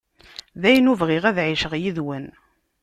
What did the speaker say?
Dayen, ur bɣiɣ ad εiceɣ yid-wen.